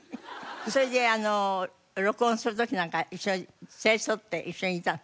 それで録音する時なんか連れ添って一緒にいたの？